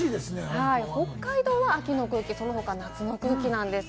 北海道は秋の空気、その他は夏の空気なんです。